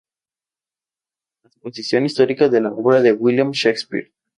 Transposición histórica de la obra de William Shakespeare.